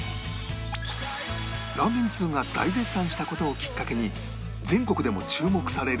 ラーメン通が大絶賛した事をきっかけに全国でも注目される